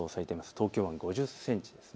東京湾、５０センチです。